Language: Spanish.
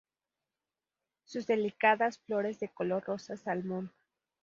Sus delicadas flores de color rosa-salmón.